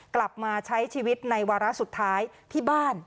กลับมาใช้ชีวิตในวาระสุดท้ายที่บ้าน